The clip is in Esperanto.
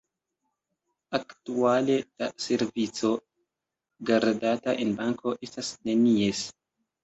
Aktuale la servico, gardata en banko, estas nenies.